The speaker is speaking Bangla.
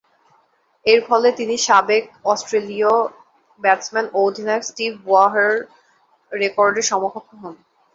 এরফলে তিনি সাবেক অস্ট্রেলীয় ব্যাটসম্যান ও অধিনায়ক স্টিভ ওয়াহ’র রেকর্ডের সমকক্ষ হন।